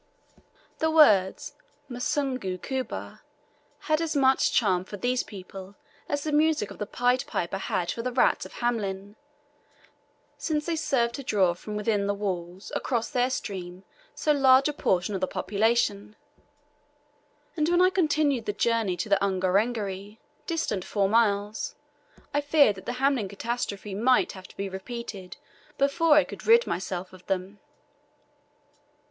The words "Musungu kuba" had as much charm for these people as the music of the Pied Piper had for the rats of Hamelin, since they served to draw from within the walls across their stream so large a portion of the population; and when I continued the journey to the Ungerengeri, distant four miles, I feared that the Hamelin catastrophe might have to be repeated before I could rid myself of them.